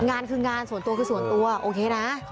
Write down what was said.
งานคืองานส่วนตัวคือส่วนตัวโอเคนะ